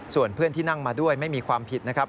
ส่วนเพื่อนที่นั่งมาด้วยไม่มีความผิดนะครับ